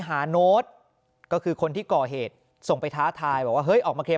หาโน้ตก็คือคนที่ก่อเหตุส่งไปท้าทายบอกว่าเฮ้ยออกมาเคลียร์